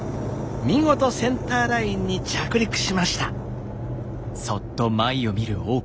見事センターラインに着陸しました。